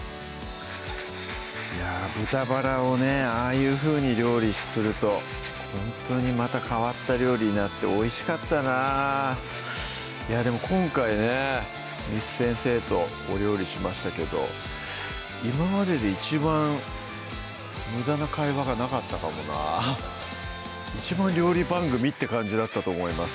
いや豚バラをねああいうふうに料理するとほんとにまた変わった料理になっておいしかったなでも今回ね簾先生とお料理しましたけど今までで一番むだな会話がなかったかもな一番料理番組って感じだったと思います